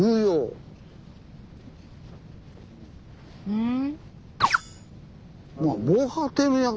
うん？